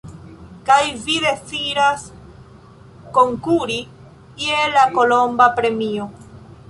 Kaj vi deziras konkuri je la kolomba premio?